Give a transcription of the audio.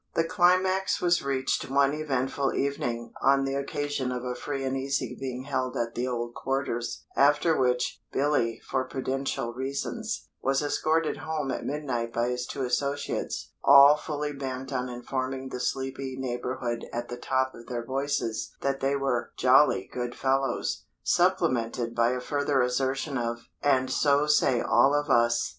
The climax was reached one eventful evening, on the occasion of a Free and Easy being held at the old quarters, after which, Billy, for prudential reasons, was escorted home at midnight by his two associates, all fully bent on informing the sleeping neighbourhood at the top of their voices that they were "jolly good fellows," supplemented by a further assertion of, "and so say all of us!"